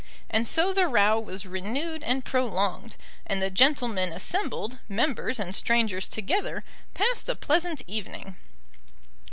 And so the row was renewed and prolonged, and the gentlemen assembled, members and strangers together, passed a pleasant evening.